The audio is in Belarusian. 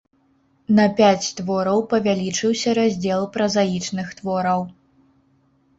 На пяць твораў павялічыўся раздзел празаічных твораў.